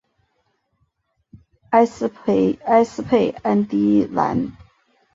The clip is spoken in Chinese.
埃斯佩安迪兰。